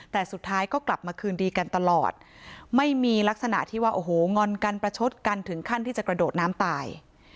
แต่สุดท้ายก็กลับมาคืนดีกันตลอดไม่มีลักษณะที่ว่าโอ้โหงอนกันประชดกันถึงขั้นที่จะกระโดดน้ำตาย